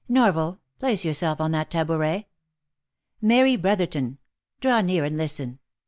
— Norval ! Place yourself on that tabouret. — Mary Brotherton ! Draw near and listen.